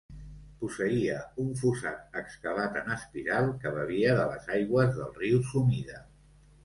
Posseïa un fossat excavat en espiral que bevia de les aigües del riu Sumida.